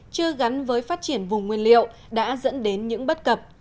chưa gắn với phát triển vùng nguyên liệu đã dẫn đến những bất cập